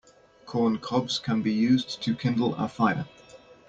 Corn cobs can be used to kindle a fire.